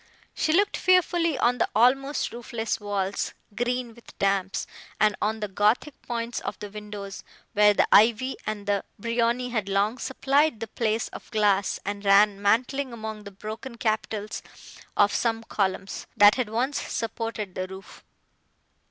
She looked fearfully on the almost roofless walls, green with damps, and on the gothic points of the windows, where the ivy and the briony had long supplied the place of glass, and ran mantling among the broken capitals of some columns, that had once supported the roof.